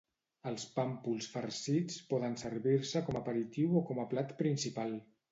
Els pàmpols farcits poden servir-se com a aperitiu o com a plat principal.